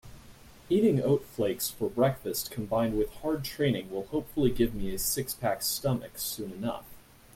Eating oat flakes for breakfast combined with hard training will hopefully give me a six-pack stomach soon enough.